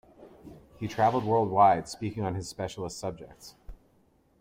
He traveled worldwide, speaking on his specialist subjects.